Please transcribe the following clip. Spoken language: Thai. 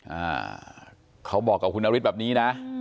อ่าเขาบอกเธอนริตอะไรแบบนี้นะ